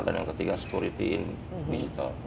dan yang ketiga security digital